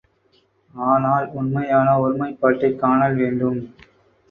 ஆனால் உண்மையான ஒருமைப்பாட்டைக் காணல் வேண்டும்.